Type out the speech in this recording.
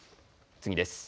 次です。